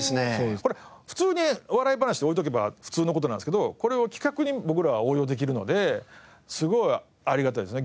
これ普通にお笑い話で置いておけば普通の事なんですけどこれを企画に僕らは応用できるのですごいありがたいですね。